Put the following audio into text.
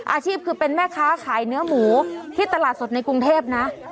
อาชีพคือเป็นแม่ค้าขายเนื้อหมูที่ตลาดสดในกรุงเทพนะ